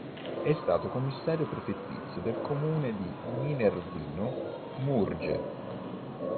È stato commissario prefettizio del comune di Minervino Murge.